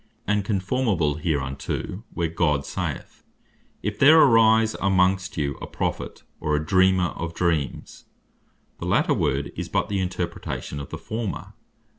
And conformable hereunto, where God saith (Deut. 13. 1.) "If there arise amongst you a Prophet, or Dreamer of Dreams," the later word is but the interpretation of the former.